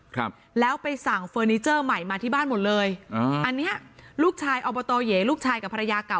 ครับแล้วไปสั่งเฟอร์นิเจอร์ใหม่มาที่บ้านหมดเลยอ่าอันเนี้ยลูกชายอบตเหยลูกชายกับภรรยาเก่า